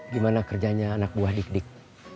gimana kerjanya anak buah dik dik